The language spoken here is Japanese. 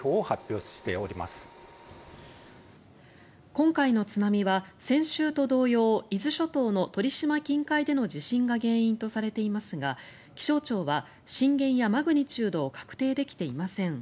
今回の津波は先週と同様伊豆諸島の鳥島近海での地震が原因とされていますが気象庁は震源やマグニチュードを確定できていません。